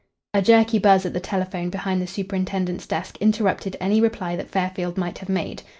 A jerky buzz at the telephone behind the superintendent's desk interrupted any reply that Fairfield might have made.